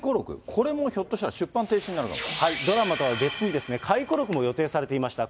これもひょっとしたらドラマとは別に、回顧録も予定されていました。